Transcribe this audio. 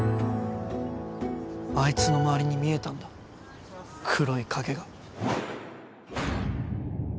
あいつの周りに見えたんだ黒い影が。